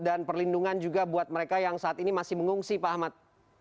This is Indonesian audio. dan perlindungan juga buat mereka yang saat ini masih mengungsi pak ahmad